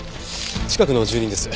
近くの住人です。